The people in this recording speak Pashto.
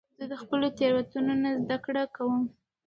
زه د خپلو تیروتنو نه زده کړه کوم.